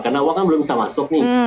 karena uangnya belum bisa masuk nih